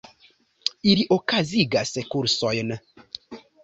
Ili okazigas kursojn.